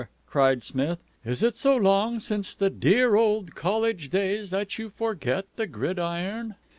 cried Smith. "Is it so long since the dear old college days that you forget the _Gridiron?"